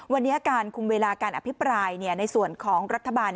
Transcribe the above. วันนี้การคุมเวลาการอภิปรายในส่วนของรัฐบาล